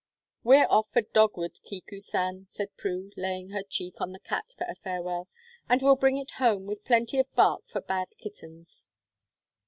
"We're off for dogwood, Kiku san," said Prue, laying her cheek on the cat for a farewell. "And we'll bring it home with plenty of bark for bad kittens."